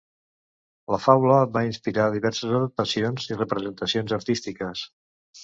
La faula va inspirar diverses adaptacions i representacions artístiques.